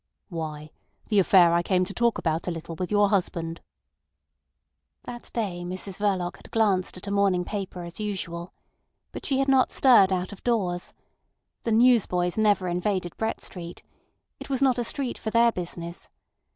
"Why, the affair I came to talk about a little with your husband." That day Mrs Verloc had glanced at a morning paper as usual. But she had not stirred out of doors. The newsboys never invaded Brett Street. It was not a street for their business.